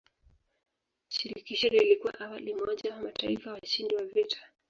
Shirikisho lilikuwa awali umoja wa mataifa washindi wa vita.